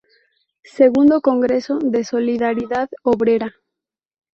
Segundo congreso de Solidaridad Obrera.